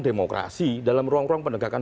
demokrasi dalam ruang ruang penegakan